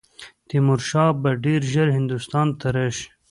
تیمور شاه به ډېر ژر هندوستان ته راشي.